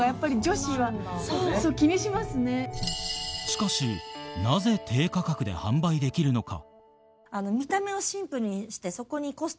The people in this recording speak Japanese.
しかしなぜ低価格で販売できるのか？